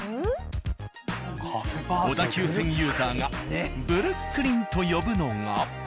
小田急線ユーザーが「ブルックリン」と呼ぶのが。